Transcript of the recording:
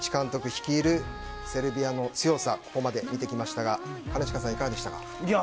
率いるセルビアの強さをここまで見てきましたが兼近さんいかがでしたか？